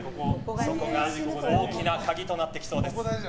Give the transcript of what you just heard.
そこが大きな鍵となってきそうです。